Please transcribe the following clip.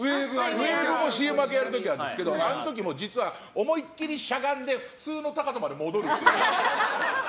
ウェーブもＣＭ明けにやる時あるけどあれも思いっきりしゃがんで普通の高さまで戻るっていう。